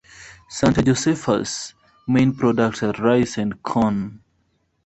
Santa Josefa's main products are rice and corn.